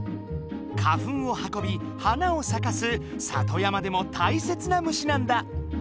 花粉を運び花をさかす里山でも大切な虫なんだ。